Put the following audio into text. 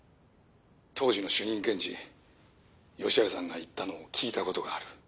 当時の主任検事吉原さんが言ったのを聞いたことがある。